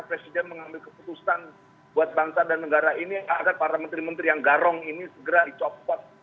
presiden mengambil keputusan buat bangsa dan negara ini agar para menteri menteri yang garong ini segera dicopot